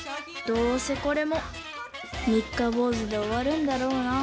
どうせこれも三日坊主で終わるんだろうな。